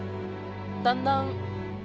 だんだん